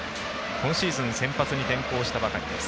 今シーズン先発に転向したばかりです。